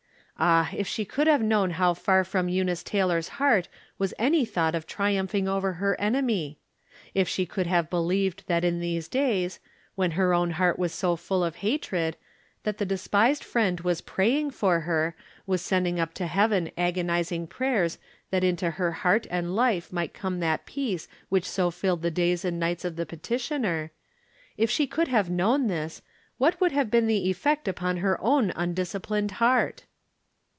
Ah, if she could have known how far from Eu nice Taylor's heart was any thought of triumph ing over her enemy. If she could have believed that in these days, when her own heart was so full of hatred, that the despised friend was pray ing for her, was sending up to heaven agonizing prayers that into her heart and life might come that peace wliich so filled the days and nights of the petitioner; if she could have known tliis. From Different Standpoints. 289 what would have been the effect upon her own undisciplined heart?